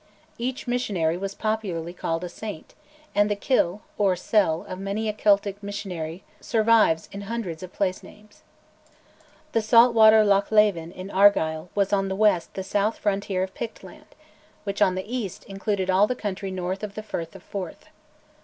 Each missionary was popularly called a Saint, and the Kil, or cell, of many a Celtic missionary survives in hundreds of place names. The salt water Loch Leven in Argyll was on the west the south frontier of "Pictland," which, on the east, included all the country north of the Firth of Forth.